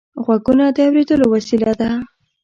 غوږونه د اورېدلو وسیله ده